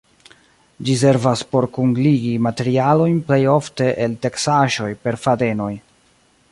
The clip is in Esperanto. Ĝi servas por kunligi materialojn plej ofte el teksaĵoj per fadenoj.